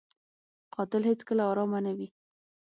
قاتل هېڅکله ارامه نه وي